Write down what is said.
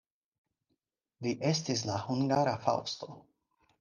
Li estis la hungara Faŭsto.